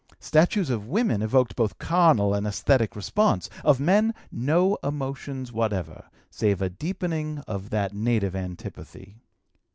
Statues of women evoked both carnal and esthetic response; of men, no emotions whatever, save a deepening of that native antipathy.